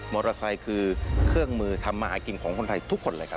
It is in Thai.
ไซค์คือเครื่องมือทำมาหากินของคนไทยทุกคนเลยครับ